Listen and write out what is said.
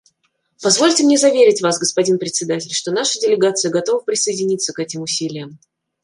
Позвольте мне заверить Вас, господин Председатель, что наша делегация готова присоединиться к этим усилиям.